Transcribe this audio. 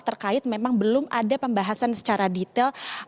terkait memang belum ada pembahasan secara detail